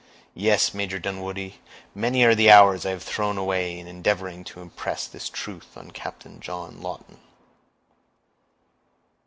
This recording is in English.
Yes, Major Dunwoodie, many are the hours I have thrown away in endeavoring to impress this truth on Captain John Lawton."